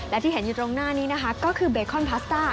และที่เห็นอยู่ตรงหน้านี้นะคะก็คือเบคอนพาสต้า